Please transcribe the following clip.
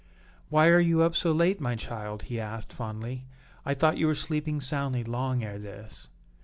"Why are you up so late, my child?" he asked, fondly. "I thought you were sleeping soundly long ere this."